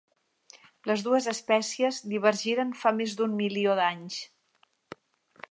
Les dues espècies divergiren fa més d'un milió d'anys.